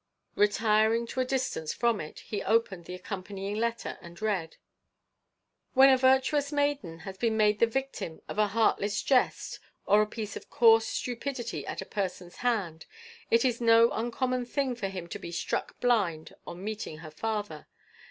Retiring to a distance from it, he opened the accompanying letter and read: "When a virtuous maiden has been made the victim of a heartless jest or a piece of coarse stupidity at a person's hands, it is no uncommon thing for him to be struck blind on meeting her father.